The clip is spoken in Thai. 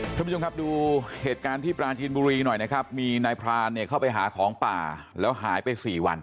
ท่านผู้ชมครับดูเหตุการณ์ที่ปราจีนบุรีหน่อยนะครับมีนายพรานเนี่ยเข้าไปหาของป่าแล้วหายไปสี่วัน